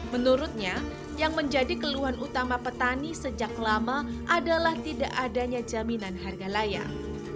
menurutnya yang menjadi keluhan utama petani sejak lama adalah tidak adanya jaminan harga layak